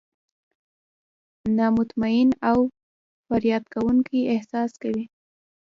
نا مطمئن او فریاد کوونکي احساس کوي.